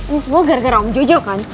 ini semua gara gara om jojo kan